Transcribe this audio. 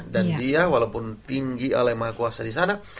dan dia walaupun tinggi allah yang maha kuasa di sana